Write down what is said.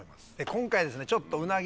今回はですね。